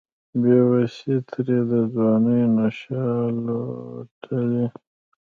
بیوسۍ ترې د ځوانۍ نشه لوټلې